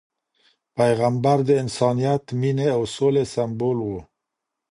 پیغمبر د انسانیت، مینې او سولې سمبول و.